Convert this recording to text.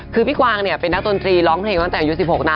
คือพี่กวางเนี่ยเป็นนักดนตรีร้องเพลงตั้งแต่อายุ๑๖นะ